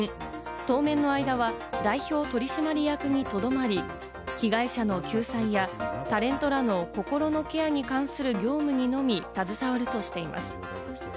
当面の間は代表取締役にとどまり、被害者の救済やタレントらの心のケアに関する業務にのみ携わるとしています。